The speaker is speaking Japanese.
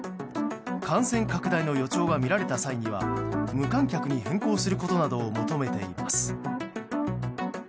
感染拡大の予兆が見られた際には無観客に変更することなどを求めています。